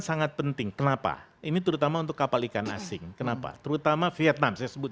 hai sangat penting kenapa ini terutama untuk kapal ikan asing kenapa terutama vietnam saya sebut